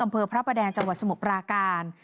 อำเภอพระประแดงจังหวัดสมปราการ